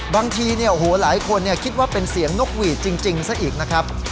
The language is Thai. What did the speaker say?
บางทีหลายคนคิดว่าเป็นเสียงนกหวีดจริงซะอีกนะครับ